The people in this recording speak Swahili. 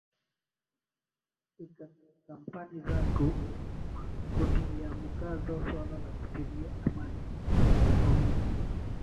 ika kampani zangu kutiliamukazo swala la kutilia amani na utulivu